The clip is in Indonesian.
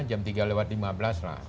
jam tiga lewat lima belas lah